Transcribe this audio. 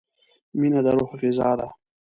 مینه د روح غذا ده.